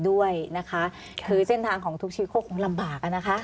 ด้วยนะคะคือเส้นทางของทุกชีวิตก็คงลำบากอ่ะนะคะ